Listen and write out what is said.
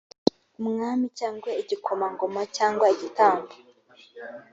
umwami cyangwa igikomangoma cyangwa igitambo